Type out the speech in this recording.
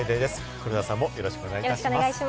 黒田さんもよろしくお願いいたします。